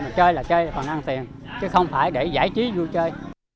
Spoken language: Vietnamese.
mà chơi là chơi còn ăn tiền chứ không phải để giải trí vui chơi